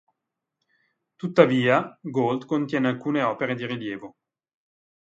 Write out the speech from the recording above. Tuttavia, Gold, contiene alcune opere di rilievo.